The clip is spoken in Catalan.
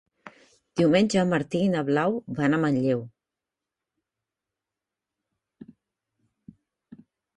Diumenge en Martí i na Blau van a Manlleu.